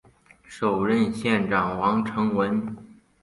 首任县长王成文。